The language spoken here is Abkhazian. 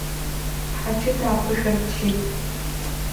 Ҳаџьы дааԥышәырччеит.